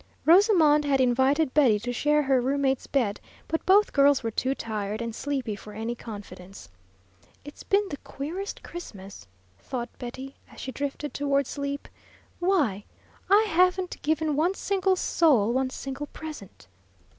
Rosamond had invited Betty to share her roommate's bed, but both girls were too tired and sleepy for any confidence. "It's been the queerest Christmas!" thought Betty, as she drifted toward sleep. "Why, I haven't given one single soul one single present!"